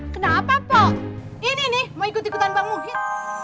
kenapa pok ini nih mau ikut ikutan bang muhin